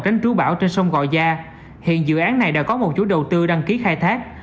tránh trú bão trên sông gò gia hiện dự án này đã có một chú đầu tư đăng ký khai thác